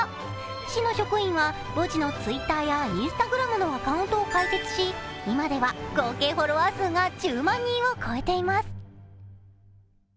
市の職員はボジのＴｗｉｔｔｅｒやＩｎｓｔａｇｒａｍのアカウントを開設し、今では、合計フォロワー数が１０万人を超えています。